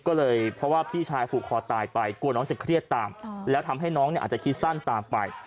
ก็เลยเพราะว่าพี่ชายผูกคอตายไปกลัวน้องจะเครียดตามแล้วทำให้น้องเนี่ยอาจจะคิดสั้นตามไป